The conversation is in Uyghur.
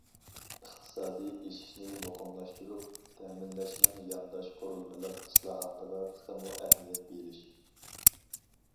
ئىقتىسادىي ئېشىشنى مۇقىملاشتۇرۇپ، تەمىنلەشنىڭ يانداش قۇرۇلمىلىق ئىسلاھاتىغا تېخىمۇ ئەھمىيەت بېرىش.